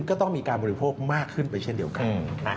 ก็ต้องมีการบริโภคมากขึ้นไปเช่นเดียวกัน